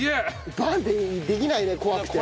バンッてできないね怖くて。